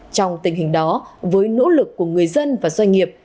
trong tình hình đó với nỗ lực của người dân và doanh nghiệp